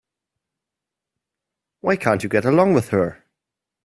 Why can't you get along with her?